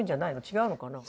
違うのかな？